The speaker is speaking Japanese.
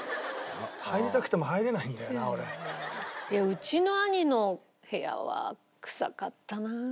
うちの兄の部屋はくさかったな。